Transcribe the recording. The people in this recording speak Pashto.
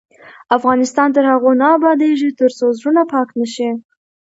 افغانستان تر هغو نه ابادیږي، ترڅو زړونه پاک نشي.